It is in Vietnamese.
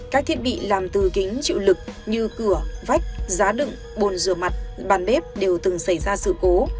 các thiết bị làm từ kính chịu lực như cửa vách giá đựng bồn rửa mặt bàn bếp đều từng xảy ra sự cố